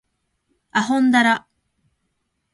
あほんだら